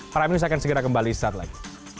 para milik saya akan segera kembali saat lagi